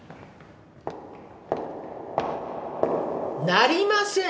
なりません。